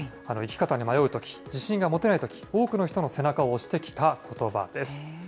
生き方に迷うとき、自信が持てないとき、多くの人の背中を押してきたことばです。